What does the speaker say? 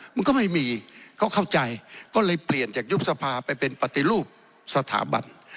มันก็ไม่มีเขาเข้าใจก็เลยเปลี่ยนจากยุบสภาไปเป็นปฏิรูปสถาบัน